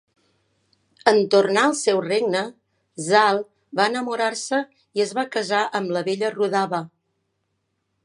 En tornar al seu regne, Zal va enamorar-se i es va casar amb la bella Rudaba.